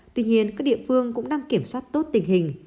tuy nhiên các địa phương cũng đang kiểm soát tốt tình hình